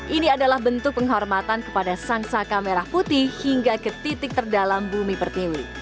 ini adalah bentuk penghormatan kepada sang saka merah putih hingga ke titik terdalam bumi pertiwi